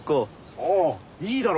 ああいいだろ？